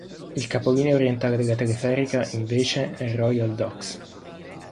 Il capolinea orientale della teleferica invece è Royal Docks.